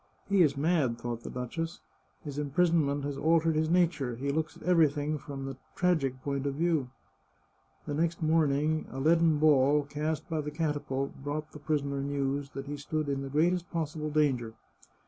" He is mad," thought the duchess. " His imprisonment has altered his nature ; he looks at everything from the tragic point of view." The next morning a leaden ball, cast by the catapult, brought the prisoner news that he stood in the greatest possible danger.